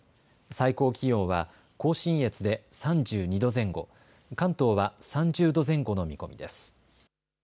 最高気温は甲信越で３２度前後、関東は３０度前後の見込みです。